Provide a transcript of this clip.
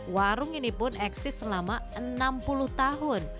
warung ini pun eksis selama enam puluh tahun